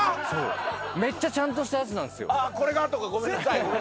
めっちゃちゃんとしたやつなんすよ。